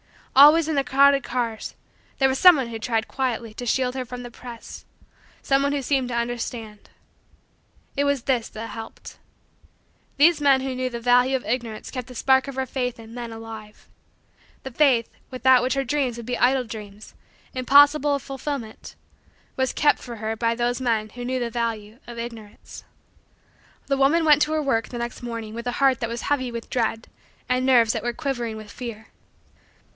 Always, in the crowded cars, there was some one who tried quietly to shield her from the press some one who seemed to understand. It was this that helped. These men who knew the value of Ignorance kept the spark of her faith in men alive. The faith, without which her dreams would be idle dreams, impossible of fulfillment, was kept for her by those men who knew the value of Ignorance. The woman went to her work the next morning with a heart that was heavy with dread and nerves that were quivering with fear.